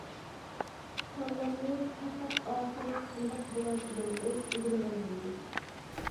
كاللامنى پەقەت ئاخىرى قانداق بولار دېگەن ئوي ئىگىلىۋالغانىدى.